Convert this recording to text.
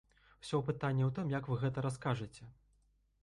Усё пытанне ў тым, як вы гэта раскажаце.